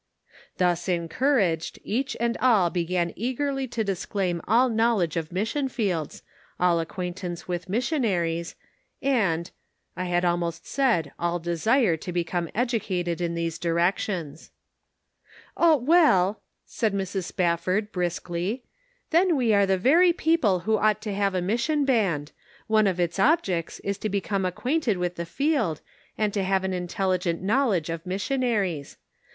Thus encouraged, each and all began eagerly to disclaim all knowledge of mission fields, all acquaintance with missionaries, and — I had almost said all desire to become educated in these directions. A Problem. 237 " Oh, well," said Mrs. Spafford, briskly, " then we are the very people who ought to have a mission band; one of its objects is to become acquainted with the field, and to have an intelligent knowledge of mission aries.